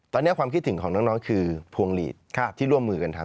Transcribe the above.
ตอนนี้ความคิดถึงของน้องคือพวงหลีดที่ร่วมมือกันทำ